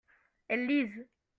elles lisent.